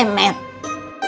di dunia nyata